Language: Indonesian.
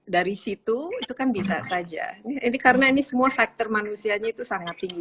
dari situ itu kan bisa saja ini karena ini semua faktor manusianya itu sangat tinggi